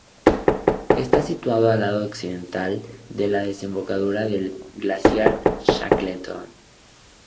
Está situado al lado occidental de la desembocadura del glaciar Shackleton.